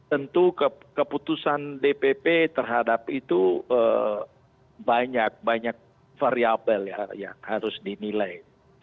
tentu keputusan dpp terhadap itu banyak banyak variabel ya yang harus dinilai